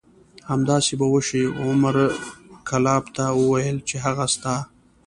همداسې به وشي. عمر کلاب ته وویل چې هغه ستا